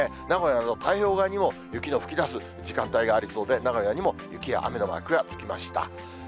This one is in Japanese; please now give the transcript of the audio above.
名古屋など、太平洋側にも雪の吹き出す時間帯がありそうで、名古屋にも雪や雨のマークがつきました。